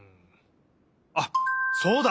あっそうだ！